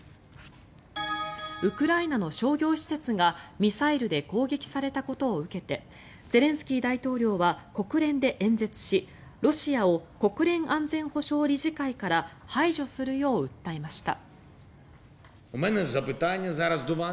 ウクライナの商業施設がミサイルで攻撃されたことを受けてゼレンスキー大統領は国連で演説しロシアを国連安全保障理事会から排除するよう訴えました。